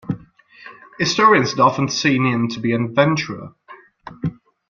Historians have often seen him to be an adventurer.